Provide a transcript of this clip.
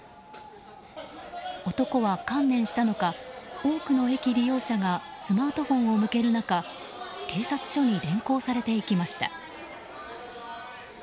男は観念したのか多くの駅利用者がスマートフォンを向ける中警察署に連行されていきました。